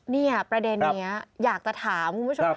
เนี่ยประเด็นนี้อยากจะถามคุณผู้ชม